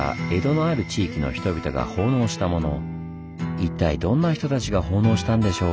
一体どんな人たちが奉納したんでしょう？